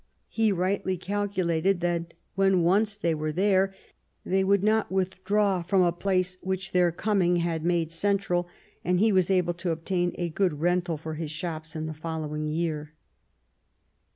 He rightly cal culated that, when once they were there, they would not withdraw from a place which their coming had made central ; and he was able to obtain a good rental for his shops in the following year.